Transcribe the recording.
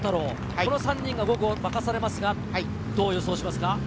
この３人が５区を任されていますが、どう予想しますか？